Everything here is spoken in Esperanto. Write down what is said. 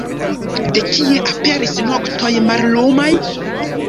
De kie aperis noktoj mallumaj?